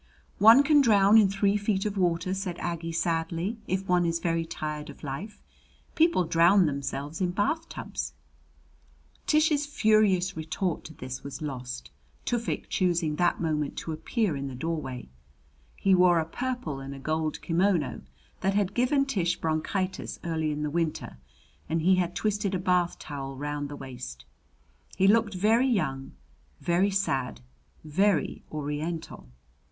"One can drown in three feet of water," said Aggie sadly, "if one is very tired of life. People drown themselves in bathtubs." Tish's furious retort to this was lost, Tufik choosing that moment to appear in the doorway. He wore a purple and gold kimono that had given Tish bronchitis early in the winter, and he had twisted a bath towel round the waist. He looked very young, very sad, very Oriental.